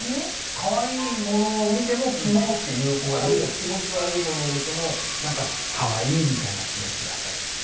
あるいは気持ち悪いものを見ても何かカワイイみたいな気持ちだったりする。